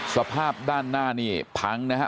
สภาพด้านหน้านี่พังนะฮะ